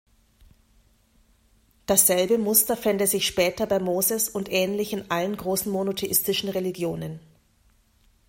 Dasselbe Muster fände sich später bei Moses und ähnlich in allen großen monotheistischen Religionen.